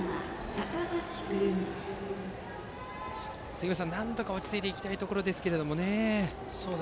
杉本さん、なんとか落ち着いて行きたいところですね。